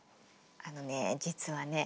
あのね実はね